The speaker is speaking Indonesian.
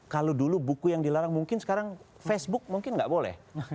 kalau dulu buku yang dilarang mungkin sekarang facebook mungkin nggak boleh